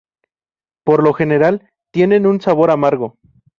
Por lo general, tienen un sabor amargo.